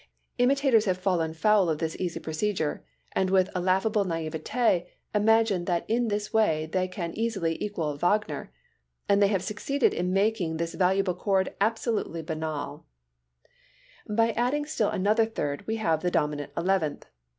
Imitators have fallen foul of this easy procedure, and with a laughable naïveté imagine that in this way they can easily equal Wagner. And they have succeeded in making this valuable chord absolutely banal. Jacques Offenbach By adding still another third we have the dominant eleventh.